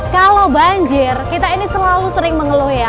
kalau banjir kita ini selalu sering mengeluh ya